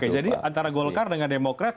jadi antara golkar dengan demokrat